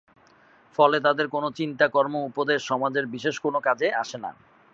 ফলে তাদের কোনো চিন্তা-কর্ম-উপদেশ সমাজের বিশেষ কোনো কাজে আসে না।